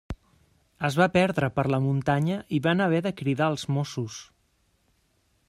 Es va perdre per la muntanya i van haver de cridar els Mossos.